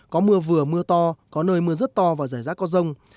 có mưa vừa mưa to có nơi mưa rất to và rải rác có rông